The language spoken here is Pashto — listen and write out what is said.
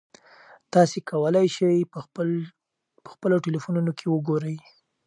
تاسي کولای شئ په خپلو ټیلیفونونو کې وګورئ.